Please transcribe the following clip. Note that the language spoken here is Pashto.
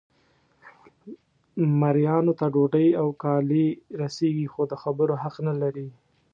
مریانو ته ډوډۍ او کالي رسیږي خو د خبرو حق نه لري.